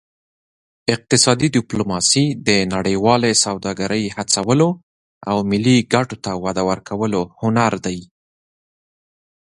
اقتصادي ډیپلوماسي د نړیوالې سوداګرۍ هڅولو او ملي ګټو ته وده ورکولو هنر دی